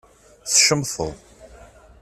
Tcemteḍ